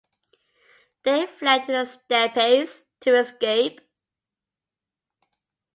They fled into the steppes, to escape.